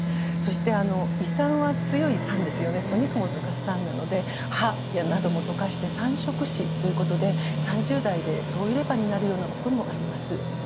そして胃酸は強い酸ですよねお肉も溶かす酸なので歯なども溶かして酸蝕歯ということで３０代で総入れ歯になるようなこともあります。